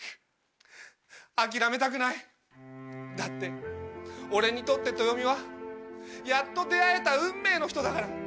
諦めたくないだって俺にとって豊美はやっと出会えた運命の人だから。